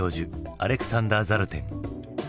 アレクサンダー・ザルテン。